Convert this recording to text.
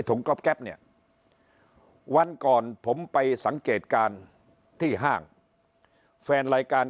กรอบแก๊ปเนี่ยวันก่อนผมไปสังเกตการณ์ที่ห้างแฟนรายการ